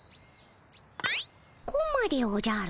コマでおじゃる。